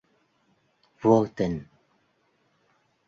Vô tình